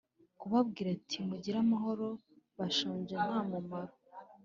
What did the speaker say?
kubabwira ati mugire amahoro bashonje nta mumaro